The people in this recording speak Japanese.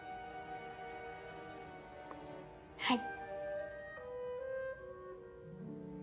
はい。